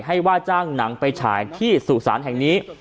ว่าจ้างหนังไปฉายที่สู่สารแห่งนี้